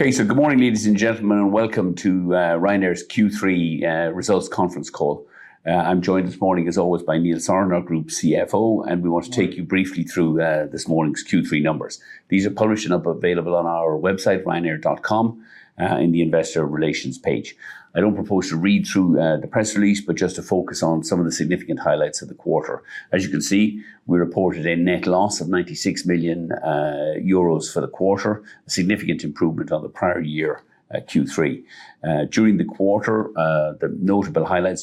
Okay, good morning, ladies and gentlemen, and welcome to Ryanair's Q3 results conference call. I'm joined this morning, as always, by Neil Sorahan, our Group CFO, and we want to take you briefly through this morning's Q3 numbers. These are published and now available on our website, ryanair.com, in the investor relations page. I don't propose to read through the press release, but just to focus on some of the significant highlights of the quarter. As you can see, we reported a net loss of 96 million euros for the quarter, a significant improvement on the prior year Q3. During the quarter, the notable highlights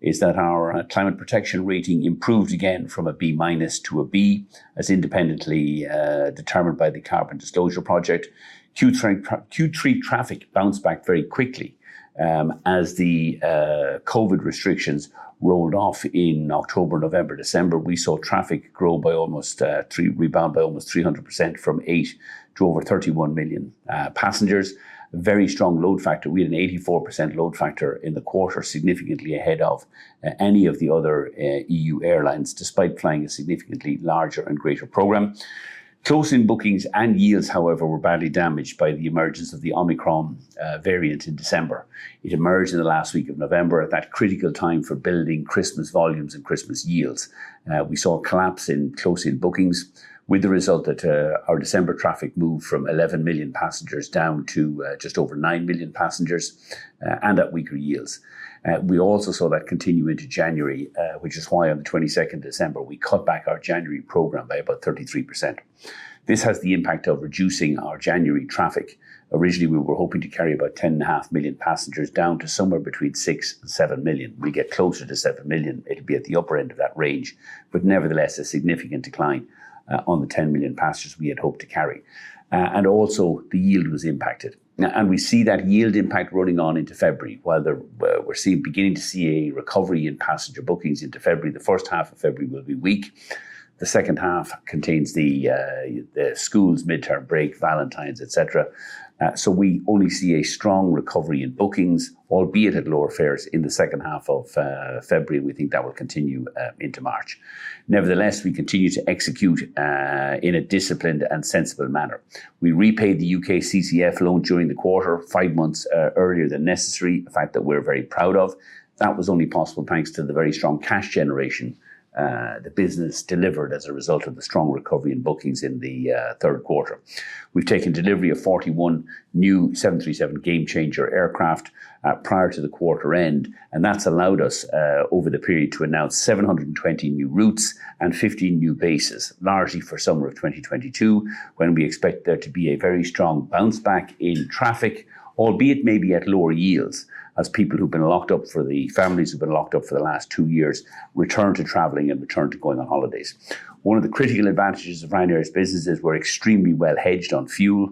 is that our climate protection rating improved again from a B- to a B as independently determined by the Carbon Disclosure Project. Q3 traffic bounced back very quickly, as the COVID restrictions rolled off in October, November, December, we saw traffic rebound by almost 300% from eight million to over 31 million passengers. A very strong load factor. We had an 84% load factor in the quarter, significantly ahead of any of the other EU airlines, despite flying a significantly larger and greater program. Close-in bookings and yields, however, were badly damaged by the emergence of the Omicron variant in December. It emerged in the last week of November at that critical time for building Christmas volumes and Christmas yields. We saw a collapse in close-in bookings with the result that our December traffic moved from 11 million passengers down to just over nine million passengers, and at weaker yields. We also saw that continue into January, which is why on 22nd December, we cut back our January program by about 33%. This has the impact of reducing our January traffic. Originally, we were hoping to carry about 10.5 million passengers down to somewhere between six million and seven million. We get closer to seven million, it'll be at the upper end of that range, but nevertheless, a significant decline on the 10 million passengers we had hoped to carry. Also the yield was impacted. Now, we see that yield impact rolling on into February. While we're beginning to see a recovery in passenger bookings into February, the first half of February will be weak. The second half contains the schools' midterm break, Valentine's, et cetera. We only see a strong recovery in bookings, albeit at lower fares in the second half of February. We think that will continue into March. Nevertheless, we continue to execute in a disciplined and sensible manner. We repaid the U.K. CCF loan during the quarter, five months earlier than necessary, a fact that we're very proud of. That was only possible thanks to the very strong cash generation the business delivered as a result of the strong recovery in bookings in the third quarter. We've taken delivery of 41 new 737 Gamechanger aircraft prior to the quarter end, and that's allowed us over the period to announce 720 new routes and 50 new bases, largely for summer of 2022, when we expect there to be a very strong bounce back in traffic, albeit maybe at lower yields, as families who've been locked up for the last two years return to traveling and return to going on holidays. One of the critical advantages of Ryanair's business is we're extremely well-hedged on fuel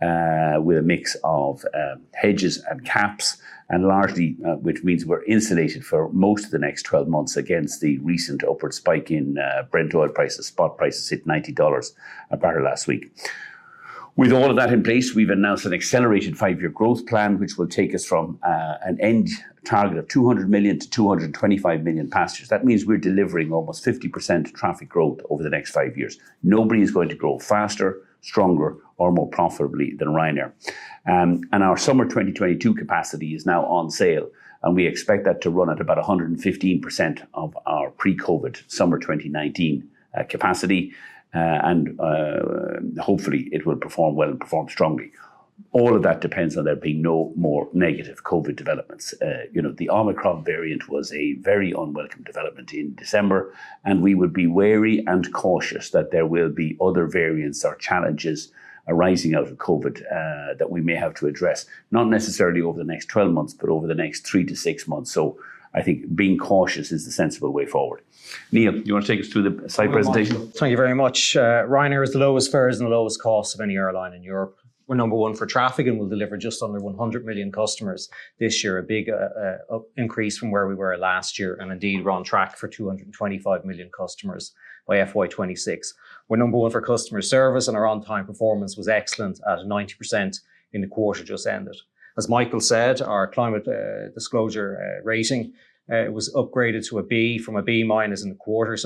with a mix of hedges and caps, and largely which means we're insulated for most of the next 12 months against the recent upward spike in Brent oil prices. Spot prices hit $90 a barrel last week. With all of that in place, we've announced an accelerated five-year growth plan, which will take us from an end target of 200 million to 225 million passengers. That means we're delivering almost 50% traffic growth over the next five years. Nobody is going to grow faster, stronger, or more profitably than Ryanair. Our summer 2022 capacity is now on sale, and we expect that to run at about 115% of our pre-COVID summer 2019 capacity. Hopefully it will perform well and perform strongly. All of that depends on there being no more negative COVID developments. You know, the Omicron variant was a very unwelcome development in December, and we would be wary and cautious that there will be other variants or challenges arising out of COVID, that we may have to address, not necessarily over the next 12 months, but over the next three-six months. I think being cautious is the sensible way forward. Neil, do you want to take us through the slide presentation? Thank you very much. Ryanair has the lowest fares and the lowest costs of any airline in Europe. We're number one for traffic, and we'll deliver just under 100 million customers this year. A big increase from where we were last year, and indeed, we're on track for 225 million customers by FY 2026. We're number one for customer service, and our on-time performance was excellent at 90% in the quarter just ended. As Michael said, our climate disclosure rating was upgraded to a B from a B- in the quarter,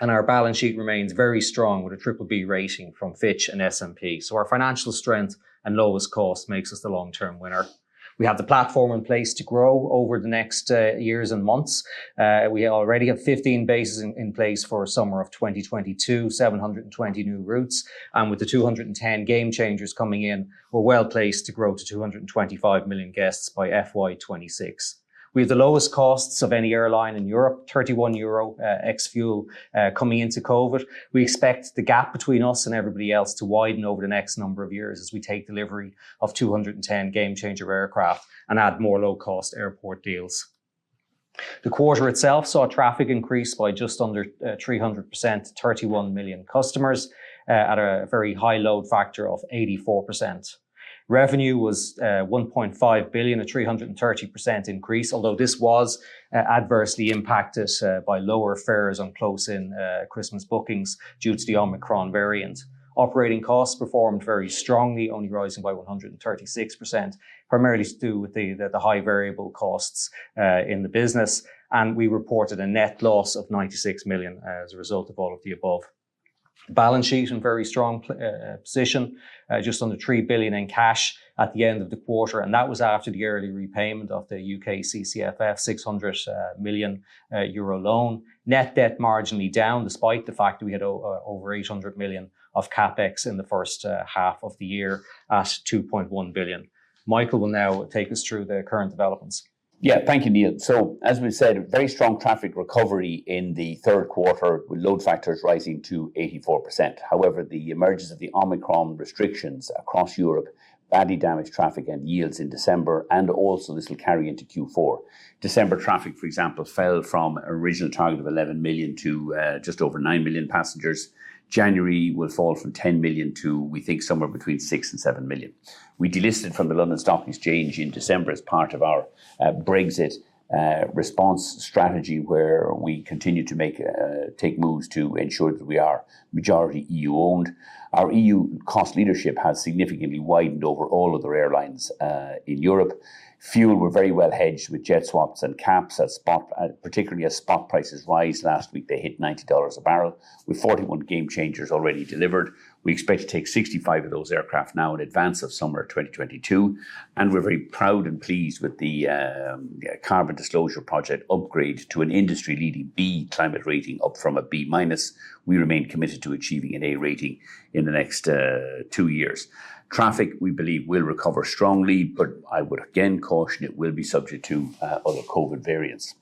and our balance sheet remains very strong with a BBB rating from Fitch and S&P. Our financial strength and lowest cost makes us the long-term winner. We have the platform in place to grow over the next years and months. We already have 15 bases in place for summer of 2022, 720 new routes, and with the 210 Gamechangers coming in, we're well-placed to grow to 225 million guests by FY 2026. We have the lowest costs of any airline in Europe, 31 euro ex-fuel coming into COVID. We expect the gap between us and everybody else to widen over the next number of years as we take delivery of 210 Gamechanger aircraft and add more low-cost airport deals. The quarter itself saw traffic increase by just under 300% to 31 million customers at a very high load factor of 84%. Revenue was 1.5 billion, a 330% increase, although this was adversely impacted by lower fares on close-in Christmas bookings due to the Omicron variant. Operating costs performed very strongly, only rising by 136%, primarily to do with the high variable costs in the business, and we reported a net loss of 96 million as a result of all of the above. Balance sheet in very strong position. Just under 3 billion in cash at the end of the quarter, and that was after the yearly repayment of the UK CCF of 600 million sterling loan. Net debt marginally down despite the fact that we had over 800 million of CapEx in the first half of the year at 2.1 billion. Michael will now take us through the current developments. Thank you, Neil. As we said, very strong traffic recovery in the third quarter with load factors rising to 84%. However, the emergence of the Omicron restrictions across Europe badly damaged traffic and yields in December, and also this will carry into Q4. December traffic, for example, fell from an original target of 11 million to just over nine million passengers. January will fall from 10 million to we think somewhere between six million and seven million. We delisted from the London Stock Exchange in December as part of our Brexit response strategy where we continue to take moves to ensure that we are majority EU-owned. Our EU cost leadership has significantly widened over all other airlines in Europe. Fuel, we're very well hedged with jet swaps and caps as spot prices rise. Particularly as spot prices rise. Last week they hit $90 a barrel. With 41 Gamechangers already delivered, we expect to take 65 of those aircraft now in advance of summer 2022, and we're very proud and pleased with the Carbon Disclosure Project upgrade to an industry-leading B climate rating, up from a B minus. We remain committed to achieving an A rating in the next two years. Traffic, we believe, will recover strongly, but I would again caution it will be subject to other COVID variants.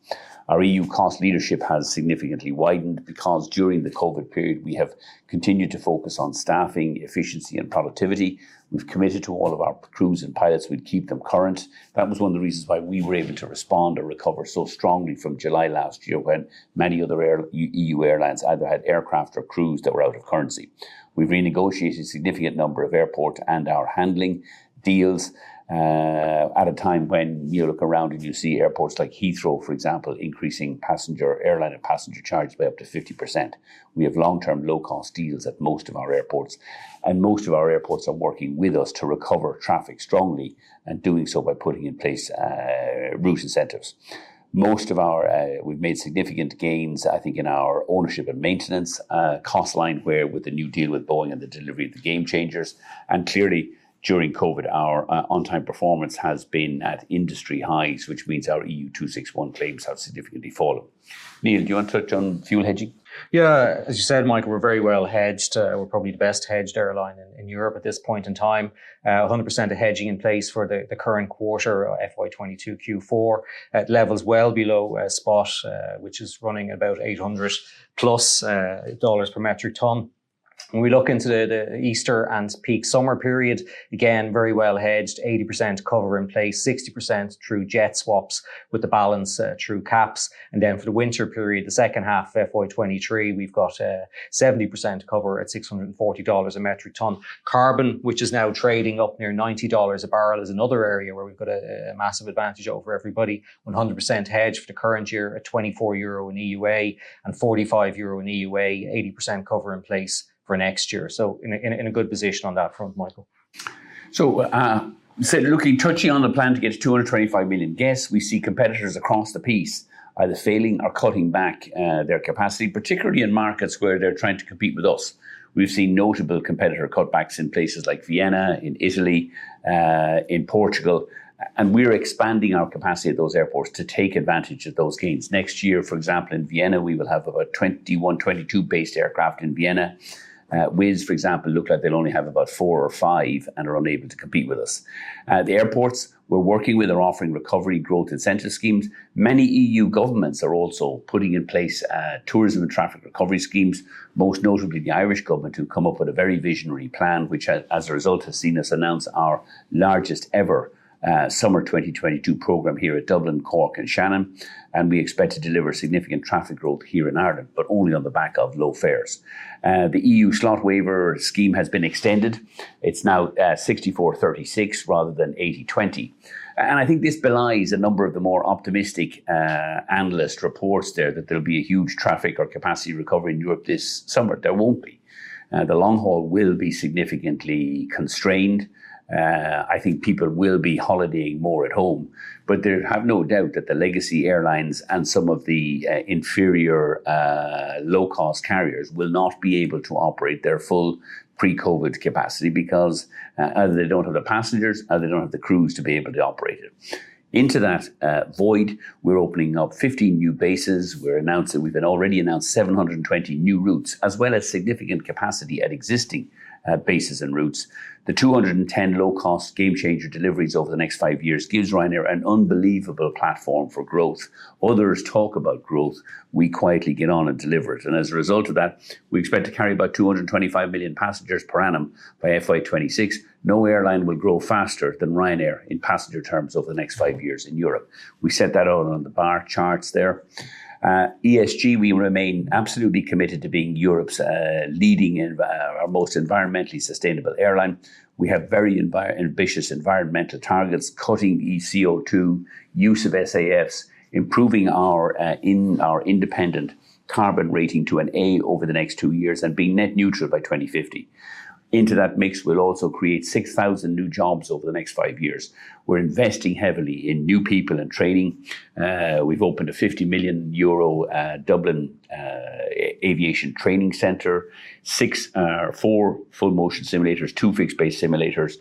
Our EU cost leadership has significantly widened because during the COVID period we have continued to focus on staffing, efficiency, and productivity. We've committed to all of our crews and pilots. We'd keep them current. That was one of the reasons why we were able to respond or recover so strongly from July last year when many other EU airlines either had aircraft or crews that were out of currency. We've renegotiated a significant number of airport and handling deals at a time when you look around and you see airports like Heathrow, for example, increasing passenger and airline charges by up to 50%. We have long-term low-cost deals at most of our airports, and most of our airports are working with us to recover traffic strongly and doing so by putting in place route incentives. We've made significant gains, I think, in our ownership and maintenance cost line, where with the new deal with Boeing and the delivery of the Gamechangers. Clearly during COVID our on-time performance has been at industry highs, which means our EU261 claims have significantly fallen. Neil, do you want to touch on fuel hedging? Yeah. As you said, Michael, we're very well hedged. We're probably the best hedged airline in Europe at this point in time. 100% of hedging in place for the current quarter, FY 2022 Q4 at levels well below spot, which is running about $800+ per metric ton. When we look into the Easter and peak summer period, again very well hedged, 80% cover in place, 60% through jet swaps with the balance through caps. For the winter period, the second half FY 2023, we've got 70% cover at $640 a metric ton. Carbon, which is now trading up near $90 per ton, is another area where we've got a massive advantage over everybody. 100% hedged for the current year at 24 euro per EUA and 45 euro per EUA, 80% cover in place for next year. In a good position on that front, Michael. As I said, looking, touching on the plan to get to 225 million guests, we see competitors across the board either failing or cutting back their capacity, particularly in markets where they're trying to compete with us. We've seen notable competitor cutbacks in places like Vienna, in Italy, in Portugal, and we're expanding our capacity at those airports to take advantage of those gains. Next year, for example, in Vienna, we will have about 21-22 based aircraft in Vienna. Wizz Air, for example, look like they'll only have about four or five and are unable to compete with us. The airports we're working with are offering recovery growth incentive schemes. Many EU governments are also putting in place tourism and traffic recovery schemes, most notably the Irish government who come up with a very visionary plan which has, as a result, seen us announce our largest ever summer 2022 program here at Dublin, Cork, and Shannon, and we expect to deliver significant traffic growth here in Ireland, but only on the back of low fares. The EU slot waiver has been extended. It's now 64/36 rather than 80/20. I think this belies a number of the more optimistic analyst reports there that there'll be a huge traffic or capacity recovery in Europe this summer. There won't be. The long haul will be significantly constrained. I think people will be holidaying more at home, but they have no doubt that the legacy airlines and some of the inferior low-cost carriers will not be able to operate their full pre-COVID capacity because either they don't have the passengers or they don't have the crews to be able to operate it. Into that void, we're opening up 15 new bases. We've already announced 720 new routes as well as significant capacity at existing bases and routes. The 210 low-cost Gamechanger deliveries over the next five years gives Ryanair an unbelievable platform for growth. Others talk about growth. We quietly get on and deliver it. As a result of that, we expect to carry about 225 million passengers per annum by FY 2026. No airline will grow faster than Ryanair in passenger terms over the next five years in Europe. We set that out on the bar charts there. ESG, we remain absolutely committed to being Europe's leading or most environmentally sustainable airline. We have very ambitious environmental targets, cutting ECO2, use of SAFs, improving our independent carbon rating to an A over the next two years, and being net zero by 2050. Into that mix, we'll also create 6,000 new jobs over the next five years. We're investing heavily in new people and training. We've opened a 50 million euro Dublin aviation training center. Four full motion simulators, two fixed base simulators,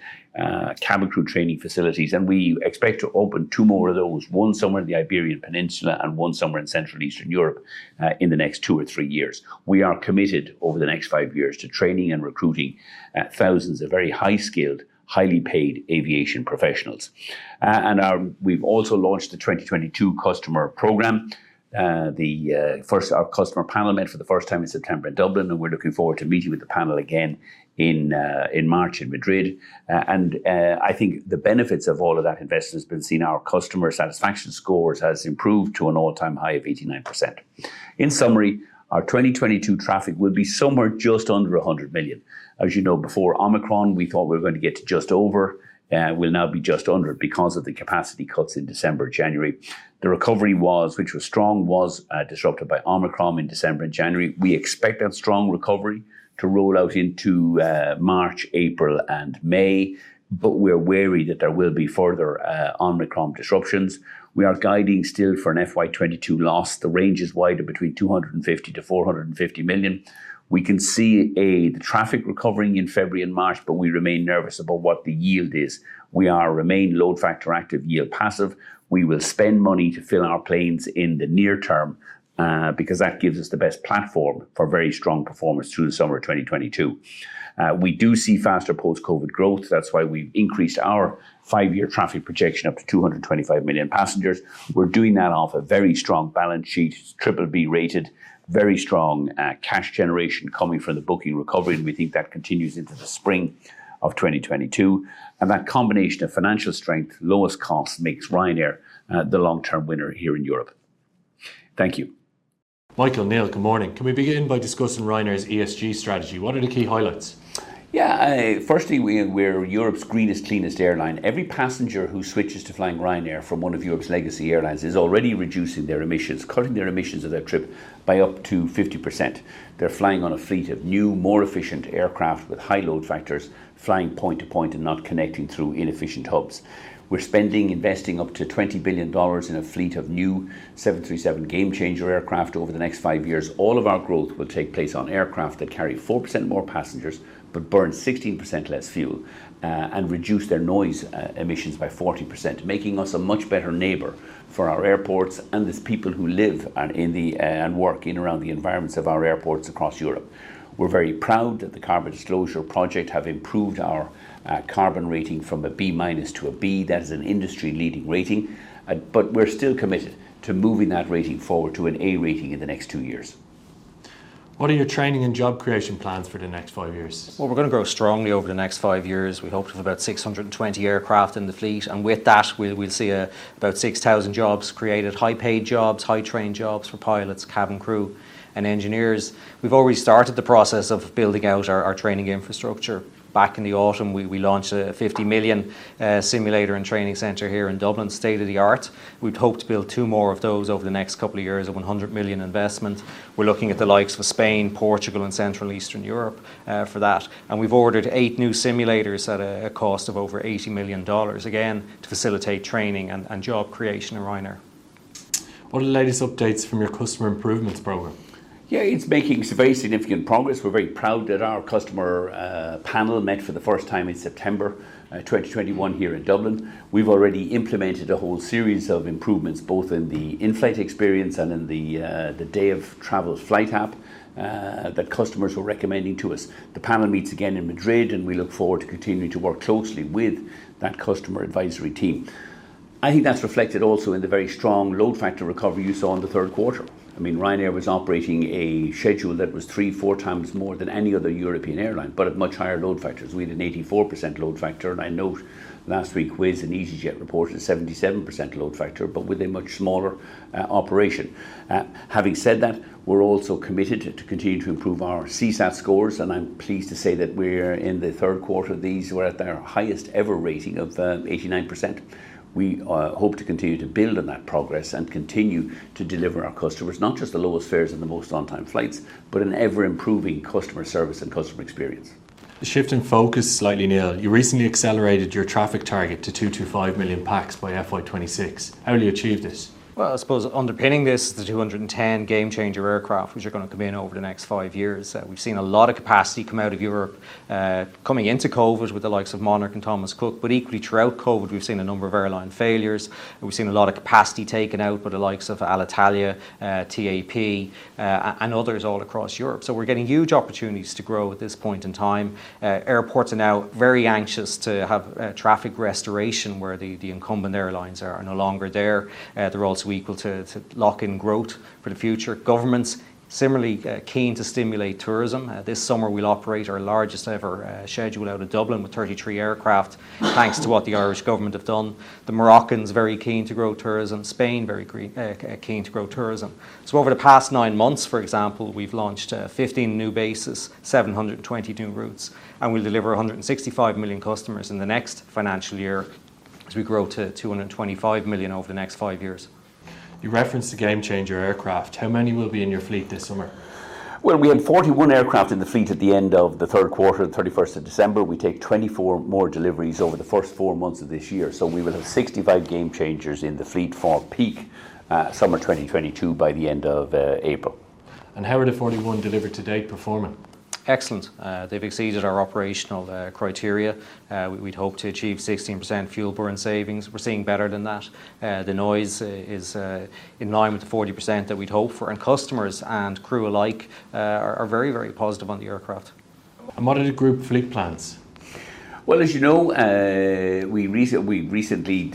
cabin crew training facilities, and we expect to open two more of those, one somewhere in the Iberian Peninsula and one somewhere in Central Eastern Europe, in the next two or three years. We are committed over the next five years to training and recruiting thousands of very high-skilled, highly paid aviation professionals. We've also launched the 2022 customer program. The first of our customer panels met for the first time in September in Dublin, and we're looking forward to meeting with the panel again in March in Madrid. I think the benefits of all of that investment has been seen. Our customer satisfaction scores has improved to an all-time high of 89%. In summary, our 2022 traffic will be somewhere just under 100 million. As you know, before Omicron, we thought we were going to get to just over. We'll now be just under because of the capacity cuts in December, January. The recovery, which was strong, was disrupted by Omicron in December and January. We expect a strong recovery to roll out into March, April, and May, but we're wary that there will be further Omicron disruptions. We are guiding still for an FY 2022 loss. The range is wider between 250 million and 450 million. We can see traffic recovering in February and March, but we remain nervous about what the yield is. We remain load factor active, yield passive. We will spend money to fill our planes in the near term, because that gives us the best platform for very strong performance through the summer of 2022. We do see faster post-COVID growth. That's why we've increased our five-year traffic projection up to 225 million passengers. We're doing that off a very strong balance sheet, BBB rated, very strong, cash generation coming from the booking recovery, and we think that continues into the spring of 2022. That combination of financial strength, lowest cost makes Ryanair, the long-term winner here in Europe. Thank you. Michael, Neil, good morning. Can we begin by discussing Ryanair's ESG strategy? What are the key highlights? Yeah. Firstly, we're Europe's greenest, cleanest airline. Every passenger who switches to flying Ryanair from one of Europe's legacy airlines is already reducing their emissions, cutting their emissions of their trip by up to 50%. They're flying on a fleet of new, more efficient aircraft with high load factors, flying point to point and not connecting through inefficient hubs. We're investing up to $20 billion in a fleet of new 737 Gamechanger aircraft over the next five years. All of our growth will take place on aircraft that carry 4% more passengers but burn 16% less fuel, and reduce their noise emissions by 40%, making us a much better neighbor for our airports and these people who live and work in and around the environments of our airports across Europe. We're very proud that the Carbon Disclosure Project have improved our carbon rating from a B-minus to a B. That is an industry-leading rating, but we're still committed to moving that rating forward to an A rating in the next two years. What are your training and job creation plans for the next five years? Well, we're gonna grow strongly over the next five years. We hope to have about 620 aircraft in the fleet, and with that, we'll see about 6,000 jobs created, high-paid jobs, high-trained jobs for pilots, cabin crew, and engineers. We've already started the process of building out our training infrastructure. Back in the autumn, we launched a 50 million simulator and training center here in Dublin, state-of-the-art. We'd hope to build two more of those over the next couple of years at 100 million investment. We're looking at the likes of Spain, Portugal, and Central Eastern Europe for that. We've ordered eight new simulators at a cost of over $80 million, again, to facilitate training and job creation in Ryanair. What are the latest updates from your customer improvements program? Yeah, it's making some very significant progress. We're very proud that our customer panel met for the first time in September 2021 here in Dublin. We've already implemented a whole series of improvements both in the in-flight experience and in the day of travel flight app that customers were recommending to us. The panel meets again in Madrid, and we look forward to continuing to work closely with that customer advisory team. I think that's reflected also in the very strong load factor recovery you saw in the third quarter. I mean, Ryanair was operating a schedule that was three, four times more than any other European airline, but at much higher load factors. We had an 84% load factor, and I note last week Wizz and easyJet reported 77% load factor, but with a much smaller operation. Having said that, we're also committed to continue to improve our CSAT scores, and I'm pleased to say that we're in the third quarter. These were at their highest-ever rating of 89%. We hope to continue to build on that progress and continue to deliver our customers not just the lowest fares and the most on-time flights, but an ever-improving customer service and customer experience. A shift in focus slightly, Neil. You recently accelerated your traffic target to 225 million pax by FY 2026. How will you achieve this? Well, I suppose underpinning this is the 210 Gamechanger aircraft, which are gonna come in over the next five years. We've seen a lot of capacity come out of Europe, coming into COVID with the likes of Monarch and Thomas Cook Group. Equally throughout COVID, we've seen a number of airline failures. We've seen a lot of capacity taken out by the likes of Alitalia, TAP, and others all across Europe. We're getting huge opportunities to grow at this point in time. Airports are now very anxious to have traffic restoration where the incumbent airlines are no longer there. They're also eager to lock in growth for the future. Governments similarly keen to stimulate tourism. This summer we'll operate our largest ever schedule out of Dublin with 33 aircraft, thanks to what the Irish government have done. The Moroccans very keen to grow tourism. Spain very keen to grow tourism. Over the past nine months, for example, we've launched 15 new bases, 720 new routes, and we'll deliver 165 million customers in the next financial year as we grow to 225 million over the next five years. You referenced the Gamechanger aircraft. How many will be in your fleet this summer? Well, we had 41 aircraft in the fleet at the end of the third quarter, the 31st of December. We take 24 more deliveries over the first four months of this year. We will have 65 Gamechangers in the fleet for peak summer 2022 by the end of April. How are the 41 delivered to date performing? Excellent. They've exceeded our operational criteria. We'd hope to achieve 16% fuel burn savings. We're seeing better than that. The noise is in line with the 40% that we'd hope for. Customers and crew alike are very, very positive on the aircraft. What are the group fleet plans? Well, as you know, we recently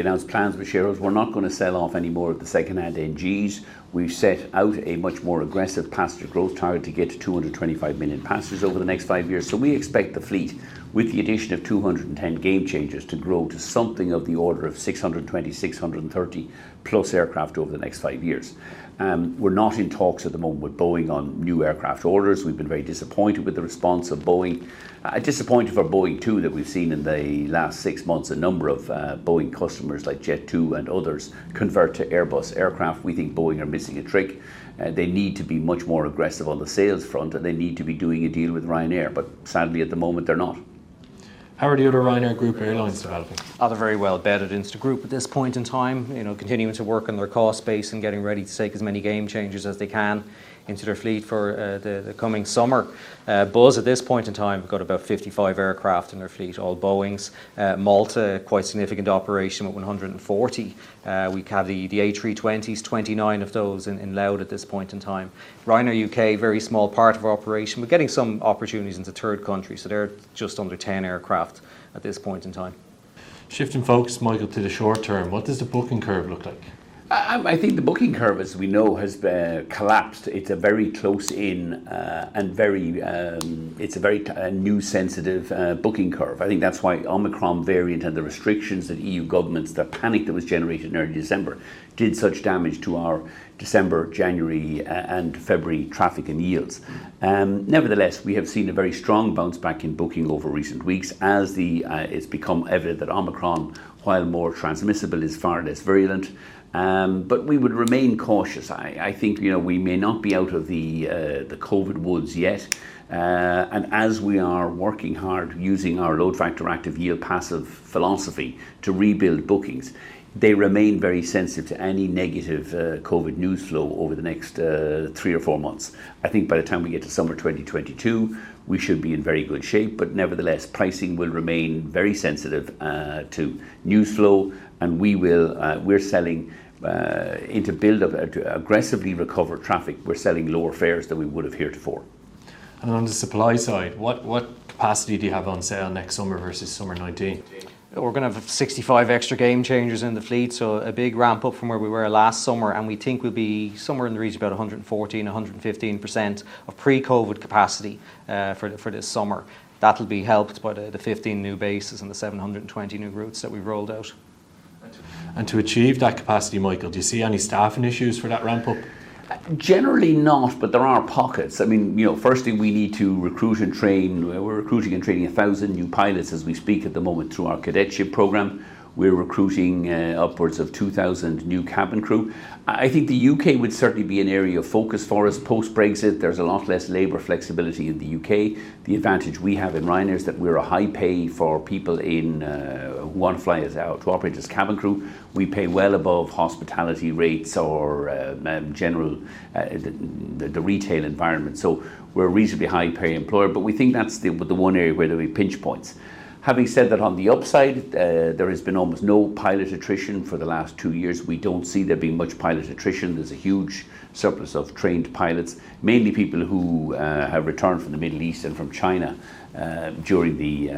announced plans with shareholders. We're not gonna sell off any more of the second-hand NG's. We've set out a much more aggressive passenger growth target to get to 225 million passengers over the next five years. We expect the fleet, with the addition of 210 Gamechangers, to grow to something of the order of 620, 630+ aircraft over the next five years. We're not in talks at the moment with Boeing on new aircraft orders. We've been very disappointed with the response of Boeing. Disappointed for Boeing too that we've seen in the last six months a number of Boeing customers like Jet2 and others convert to Airbus aircraft. We think Boeing are missing a trick. They need to be much more aggressive on the sales front, and they need to be doing a deal with Ryanair. Sadly, at the moment, they're not. How are the other Ryanair group airlines developing? Others very well bedded into group at this point in time. Continuing to work on their cost base and getting ready to take as many Gamechangers as they can into their fleet for the coming summer. Buzz at this point in time have got about 55 aircraft in their fleet, all Boeings. Malta, quite significant operation with 140. We have the A320s, 29 of those in Lauda at this point in time. Ryanair U.K., very small part of our operation. We're getting some opportunities into third country, so they're just under 10 aircraft at this point in time. Shifting focus, Michael, to the short term, what does the booking curve look like? I think the booking curve, as we know, has collapsed. It's a very close-in and very yield-sensitive booking curve. I think that's why Omicron variant and the restrictions that EU governments, the panic that was generated in early December did such damage to our December, January, and February traffic and yields. Nevertheless, we have seen a very strong bounce-back in booking over recent weeks as it's become evident that Omicron, while more transmissible, is far less virulent. We would remain cautious. I think, you know, we may not be out of the COVID woods yet. As we are working hard using our load factor active yield passive philosophy to rebuild bookings, they remain very sensitive to any negative COVID news flow over the next three or four months. I think by the time we get to summer 2022, we should be in very good shape. Nevertheless, pricing will remain very sensitive to news flow, and to aggressively recover traffic, we're selling lower fares than we would have heretofore. On the supply side, what capacity do you have on sale next summer versus summer 2019? We're gonna have 65 extra Gamechangers in the fleet, so a big ramp up from where we were last summer, and we think we'll be somewhere in the region of about 114%-115% of pre-COVID capacity for this summer. That'll be helped by the 15 new bases and the 720 new routes that we've rolled out. To achieve that capacity, Michael, do you see any staffing issues for that ramp up? Generally not, but there are pockets. I mean, you know, firstly, we need to recruit and train. We're recruiting and training 1,000 new pilots as we speak at the moment through our cadetship program. We're recruiting upwards of 2,000 new cabin crew. I think the U.K. would certainly be an area of focus for us post-Brexit. There's a lot less labor flexibility in the U.K. The advantage we have in Ryanair is that we're a high pay for people in who want to fly to operate as cabin crew. We pay well above hospitality rates or general the retail environment. We're a reasonably high-paying employer, but we think that's the one area where there'll be pinch points. Having said that, on the upside, there has been almost no pilot attrition for the last two years. We don't see there being much pilot attrition. There's a huge surplus of trained pilots, mainly people who have returned from the Middle East and from China during the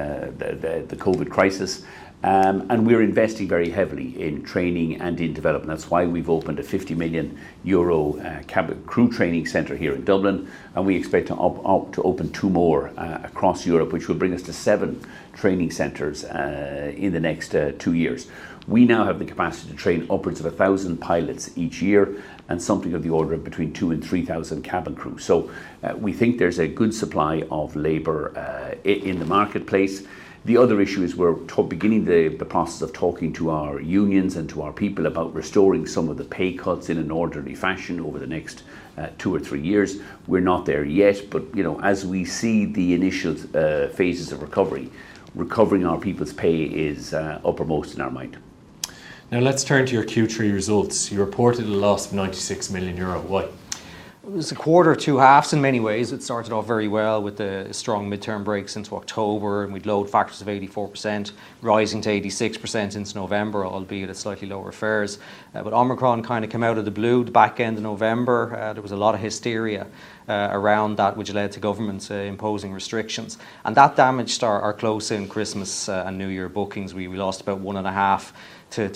COVID crisis. We're investing very heavily in training and in development. That's why we've opened a 50 million euro cabin crew training center here in Dublin, and we expect to open two more across Europe, which will bring us to seven training centers in the next two years. We now have the capacity to train upwards of 1,000 pilots each year and something of the order of between 2,000-3,000 cabin crew. We think there's a good supply of labor in the marketplace. The other issue is we're beginning the process of talking to our unions and to our people about restoring some of the pay cuts in an orderly fashion over the next two or three years. We're not there yet, but you know, as we see the initial phases of recovery, recovering our people's pay is uppermost in our mind. Now let's turn to your Q3 results. You reported a loss of 96 million euro. Why? It was a quarter of two halves in many ways. It started off very well with a strong midterm break since October, and with load factors of 84% rising to 86% since November, albeit at slightly lower fares. But Omicron kind of came out of the blue the back end of November. There was a lot of hysteria around that which led to governments imposing restrictions, and that damaged our close-in Christmas and New Year bookings. We lost about 1.5-2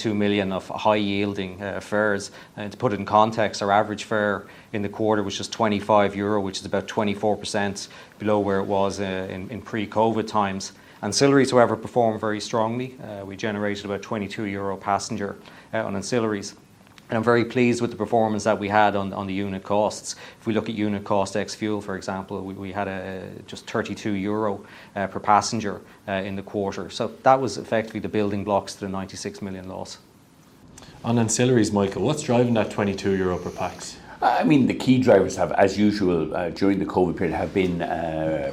million of high-yielding fares. To put it in context, our average fare in the quarter was just 25 euro, which is about 24% below where it was in pre-COVID times. Ancillaries, however, performed very strongly. We generated about 22 euro per passenger on ancillaries. I'm very pleased with the performance that we had on the unit costs. If we look at unit cost ex-fuel, for example, we had just 32 euro per passenger in the quarter. That was effectively the building blocks to the 96 million loss. On ancillaries, Michael, what's driving that 22 euro per pax? I mean, the key drivers have, as usual, during the COVID period, been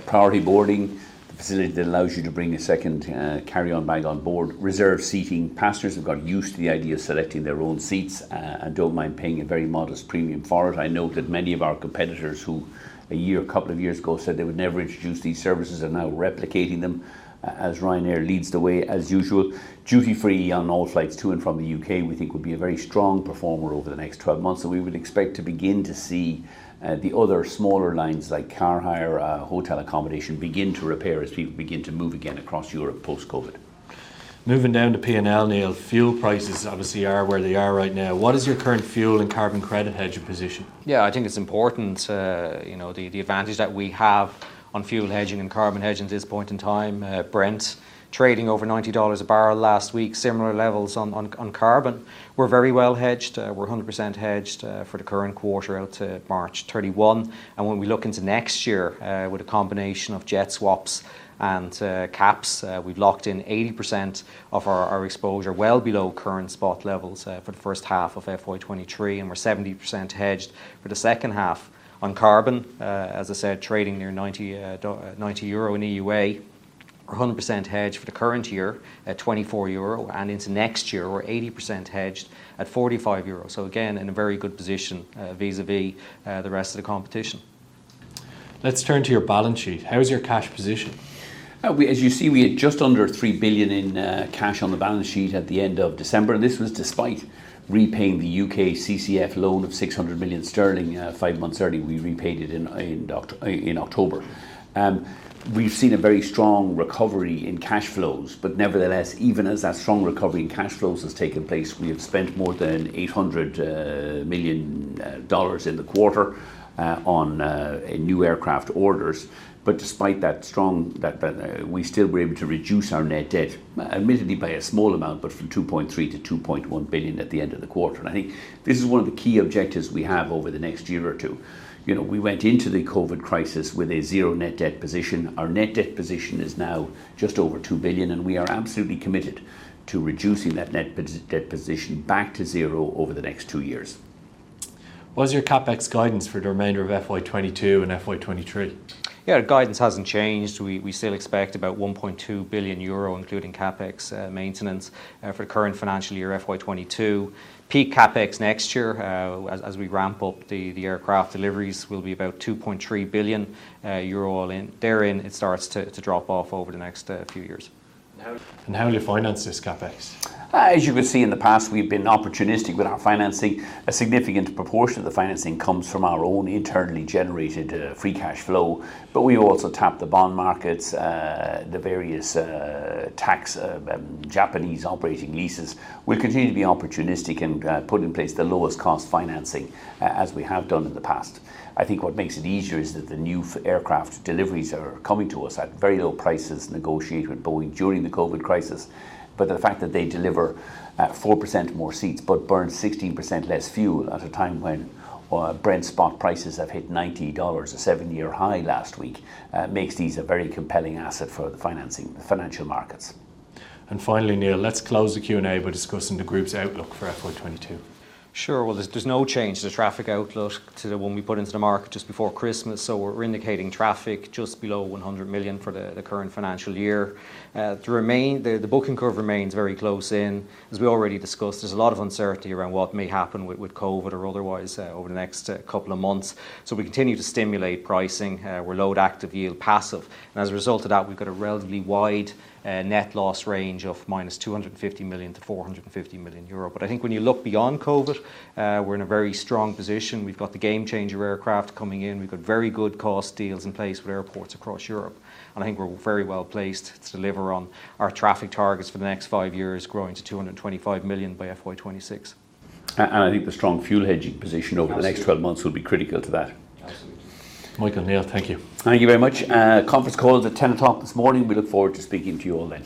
priority boarding. The facility that allows you to bring a second carry-on bag on board. Reserve seating. Passengers have got used to the idea of selecting their own seats and don't mind paying a very modest premium for it. I know that many of our competitors who a year, a couple of years ago said they would never introduce these services are now replicating them as Ryanair leads the way as usual. Duty-free on all flights to and from the U.K. we think will be a very strong performer over the next 12 months. We would expect to begin to see the other smaller lines like car hire, hotel accommodation begin to recover as people begin to move again across Europe post-COVID. Moving down to P&L, Neil. Fuel prices obviously are where they are right now. What is your current fuel and carbon credit hedging position? Yeah. I think it's important, you know, the advantage that we have on fuel hedging and carbon hedge at this point in time. Brent trading over $90 a barrel last week. Similar levels on carbon. We're very well hedged. We're 100% hedged for the current quarter out to March 31. When we look into next year, with a combination of jet swaps and caps, we've locked in 80% of our exposure well below current spot levels for the first half of FY 2023. We're 70% hedged for the second half. On carbon, as I said, trading near 90 in EUA. We're 100% hedged for the current year at 24 euro, and into next year we're 80% hedged at 45 euro. Again, in a very good position, vis-à-vis, the rest of the competition. Let's turn to your balance sheet. How is your cash position? As you see, we had just under 3 billion in cash on the balance sheet at the end of December. This was despite repaying the UK CCF loan of 600 million sterling five months early. We repaid it in October. We've seen a very strong recovery in cash flows. Nevertheless, even as that strong recovery in cash flows has taken place, we have spent more than $800 million dollars in the quarter on new aircraft orders. Despite that, we still were able to reduce our net debt, admittedly by a small amount, but from 2.3 billion-2.1 billion at the end of the quarter. I think this is one of the key objectives we have over the next year or two. You know, we went into the COVID crisis with a zero net debt position. Our net debt position is now just over 2 billion, and we are absolutely committed to reducing that net debt position back to zero over the next two years. What is your CapEx guidance for the remainder of FY 2022 and FY 2023? Yeah. Our guidance hasn't changed. We still expect about 1.2 billion euro including CapEx, maintenance, for current financial year, FY 2022. Peak CapEx next year, as we ramp up the aircraft deliveries, will be about 2.3 billion euro all in. Therein, it starts to drop off over the next few years. How will you finance this CapEx? As you will see in the past, we've been opportunistic with our financing. A significant proportion of the financing comes from our own internally generated free cash flow, but we also tap the bond markets, the various tax Japanese operating leases. We'll continue to be opportunistic and put in place the lowest cost financing as we have done in the past. I think what makes it easier is that the new aircraft deliveries are coming to us at very low prices negotiated with Boeing during the COVID crisis. The fact that they deliver 4% more seats but burn 16% less fuel at a time when Brent spot prices have hit $90, a 70-year high last week, makes these a very compelling asset for the financing, the financial markets. Finally, Neil, let's close the Q&A by discussing the group's outlook for FY 2022. Sure. Well, there's no change to the traffic outlook to the one we put into the market just before Christmas. We're indicating traffic just below 100 million for the current financial year. The booking curve remains very close in. As we already discussed, there's a lot of uncertainty around what may happen with COVID or otherwise over the next couple of months. We continue to stimulate pricing. We're load active, yield passive. As a result of that we've got a relatively wide net loss range of 250 million to 450 million euro. I think when you look beyond COVID, we're in a very strong position. We've got the Gamechanger aircraft coming in. We've got very good cost deals in place with airports across Europe. I think we're very well-placed to deliver on our traffic targets for the next five years growing to 225 million by FY 2026. I think the strong fuel hedging position. Absolutely Over the next 12 months will be critical to that. Absolutely. Michael, Neil, thank you. Thank you very much. Conference call's at 10:00 A.M. this morning. We look forward to speaking to you all then.